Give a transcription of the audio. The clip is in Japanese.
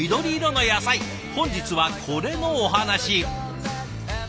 本日はこれのお話。